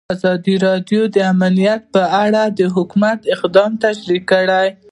ازادي راډیو د امنیت په اړه د حکومت اقدامات تشریح کړي.